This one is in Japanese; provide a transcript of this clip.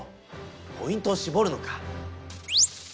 ポイントをしぼるのか。